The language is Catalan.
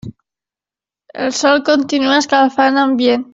El sol continua escalfant ambient.